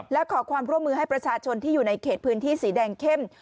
และขอความร่วมมือให้ประชาชนที่อยู่ในเขตพื้นที่สีแดงเข้ม